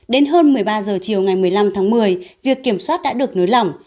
đến hơn một mươi ba h chiều ngày một mươi năm tháng một mươi việc kiểm soát đã được nới lỏng